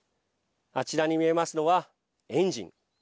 あちらに見えますのはエンジン。